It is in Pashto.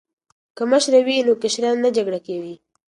که مشره وي نو کشران نه جګړه کوي.